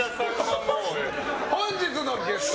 本日のゲスト